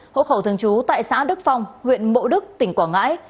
hộ khẩu thường trú tại xã đức phong huyện mộ đức tỉnh quảng ngãi